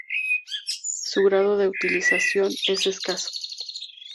Su grado de utilización es escaso.